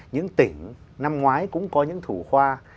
những tỉnh năm ngoái cũng có những thủ khoa